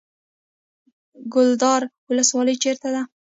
کلدار ولسوالۍ چیرته ده؟